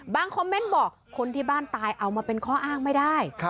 คอมเมนต์บอกคนที่บ้านตายเอามาเป็นข้ออ้างไม่ได้